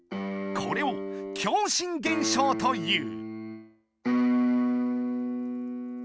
これを「共振現象」という。